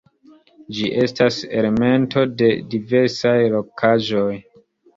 Ĝi estas elemento de diversaj rokaĵoj.